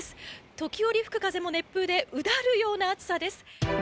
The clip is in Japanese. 時折吹く風も熱風でうだるような暑さです。